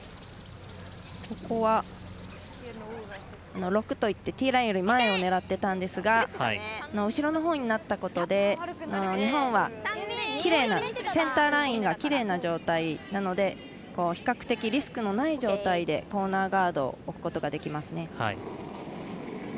ここは６といってティーラインより前を狙っていたんですが後ろのほうになったことで日本はセンターラインがきれいな状態なので比較的リスクのない状態でコーナーガードを置くことができますね。